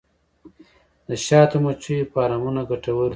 د شاتو مچیو فارمونه ګټور دي